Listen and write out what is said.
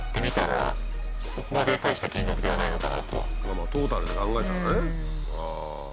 まあトータルで考えたらね。